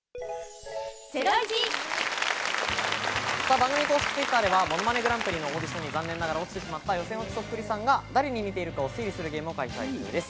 番組公式Ｔｗｉｔｔｅｒでは『ものまねグランプリ』のオーディションに残念ながら落ちてしまった予選落ちそっくりさんが誰に似てるかを推理するゲームを開催中です。